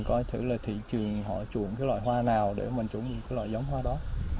coi thử là thị trường họ chuộng cái loại hoa nào để mình chuẩn bị cái loại giống hoa đó